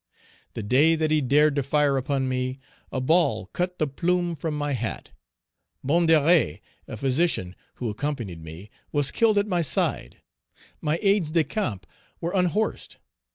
The day that he dared to fire upon me, a ball cut the plume from my hat; Bondère, a physician, who accompanied me, was killed at my side, my aides de camp were unhorsed.